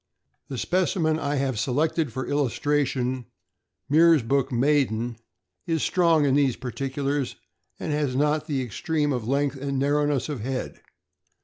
The specimen I have selected for illustration, Meersbrook Maiden (13744), is strong in these particulars, and has not the extreme of length and narrowness of head.